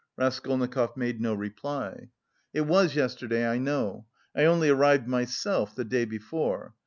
Raskolnikov made no reply. "It was yesterday, I know. I only arrived myself the day before.